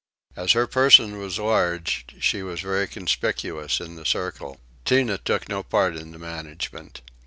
As her person was large she was very conspicuous in the circle. Tinah took no part in the management.